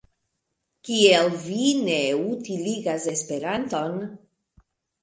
Kial vi ne utiligas Esperanton?